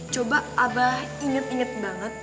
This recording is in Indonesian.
coba abah inget inget banget